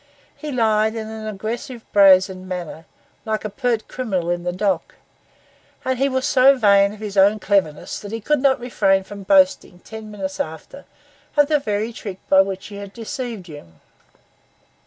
He lied in an aggressive, brazen manner, like a pert criminal in the dock; and he was so vain of his own cleverness that he could not refrain from boasting, ten minutes after, of the very trick by which he had deceived you.